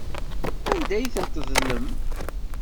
Anda ay tent-tedlem?